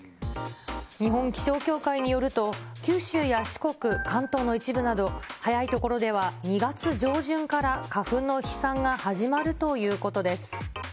日本気象協会によると、九州や四国、関東の一部など、早い所では２月上旬から花粉の飛散が始まるということです。